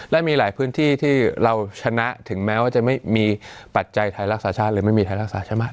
และมีหลายพื้นที่ที่เราชนะถึงแม้ว่าจะไม่มีปัจจัยไทยรักษาชาติหรือไม่มีไทยรักษาใช่ไหม